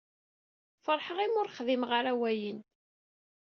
Feṛḥeɣ imi ur xdimeɣ ara wayen.